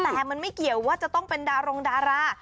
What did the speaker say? แต่มันไม่เกี่ยวว่าจะต้องเป็นดารงดารา